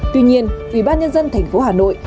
tuy nhiên ủy ban nhân dân tp hà nội